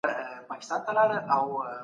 زعفران زموږ د روح هنداره ده.